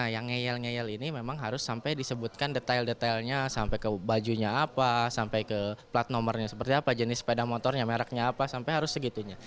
yang ngeyel ngeyel ini memang harus sampai disebutkan detail detailnya sampai ke bajunya apa sampai ke plat nomornya seperti apa jenis sepeda motornya mereknya apa sampai harus segitunya